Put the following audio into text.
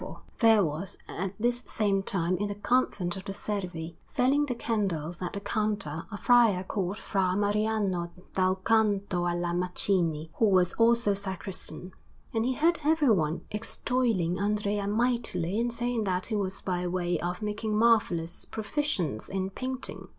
Salvi_) Anderson] There was at this same time in the Convent of the Servi, selling the candles at the counter, a friar called Fra Mariano dal Canto alla Macine, who was also sacristan; and he heard everyone extolling Andrea mightily and saying that he was by way of making marvellous proficience in painting.